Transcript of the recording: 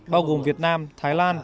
bao gồm việt nam thái lan